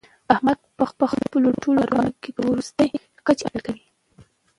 احمد په خپلو ټول کارونو کې تر ورستۍ کچې عدل کوي.